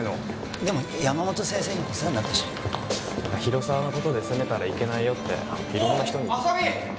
でも山本先生にお世話になったし広沢のことで責めたらいけないよって色んな人に・浅見！